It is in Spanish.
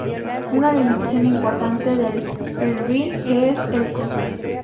Una limitación importante del Rb es el coste.